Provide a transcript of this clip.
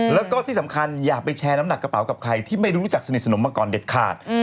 แล้วก็ที่สำคัญอย่าไปแชร์น้ำหนักกระเป๋ากับใครที่ไม่รู้จักสนิทสนมมาก่อนเด็ดขาด